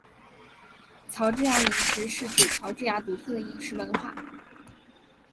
乔治亚饮食是指乔治亚独特的饮食文化。